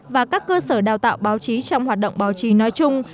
và các cơ sở đào tạo báo chí trong hoạt động báo chí nói chung